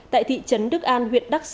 tại thị trấn đức an huyện đắk sát